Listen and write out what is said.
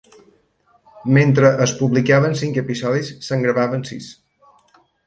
Mentre es publicaven cinc episodis, se'n gravaven sis.